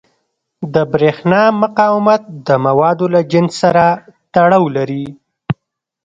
د برېښنا مقاومت د موادو له جنس سره تړاو لري.